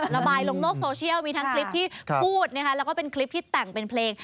ระบายลงโลกโซเชียลมีทั้งคลิปที่พูดนะคะแล้วก็เป็นคลิปที่แต่งเป็นเพลง